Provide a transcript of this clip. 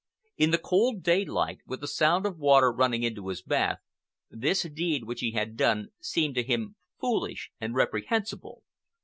In the cold daylight, with the sound of the water running into his bath, this deed which he had done seemed to him foolish and reprehensible.